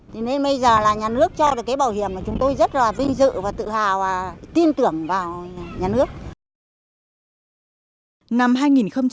thì nên bây giờ là nhà nước cho được cái bảo hiểm mà chúng tôi rất là vinh dự và tự hào và tin tưởng vào nhà nước